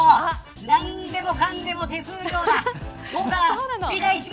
何でもかんでも手数料だ。